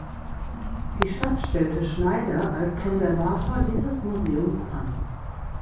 Die Stadt stellte Schneyder als Konservator dieses Museums an.